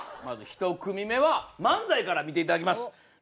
まず１組目は漫才から見ていただきます。